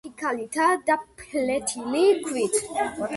ნაგებია ფიქალითა და ფლეთილი ქვით.